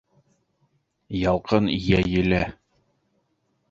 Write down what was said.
Ялҡын йәйелә